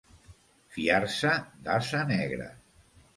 Fiar-se d'ase negre.